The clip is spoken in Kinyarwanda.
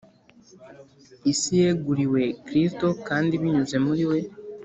Isi yeguriwe Kristo kandi, binyuze muri We